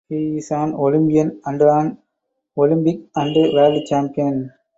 He is an Olympian and an Olympic and world champion.